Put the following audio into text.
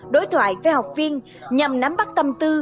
đối thoại với học viên nhằm nắm bắt tâm tư